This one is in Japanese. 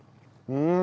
うん！